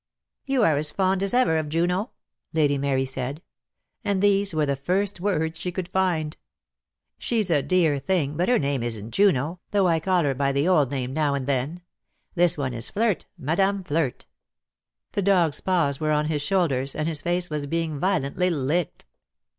"You are as fond as ever of Juno?" Lady Mary said, and these were the first words she could find. "She's a dear thing, but her name isn't Juno, though I call her by the old name now and then. This one is Flirt, Madame Flirt." The dog's paws were on his shoulders, and his face was being violently licked.